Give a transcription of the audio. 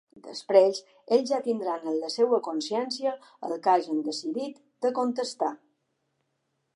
Després ells ja tindran en la seua consciència el que hagen decidit de contestar.